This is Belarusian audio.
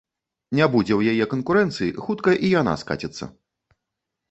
Не будзе ў яе канкурэнцыі, хутка і яна скаціцца.